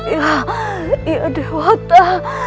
ia ia dewata